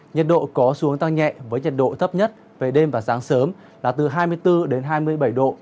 nhiệt độ có xuống tăng nhẹ với nhiệt độ thấp nhất về đêm và sáng sớm là từ hai mươi bốn đến hai mươi bảy độ